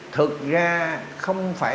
thực ra không phải